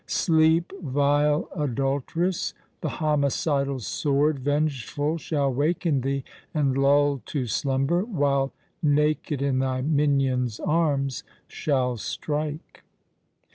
Sleep, vile Adulteress! the homicidal sword Vengeful shall waken thee! and lull'd to slumber, While naked in thy minion's arms, shall strike!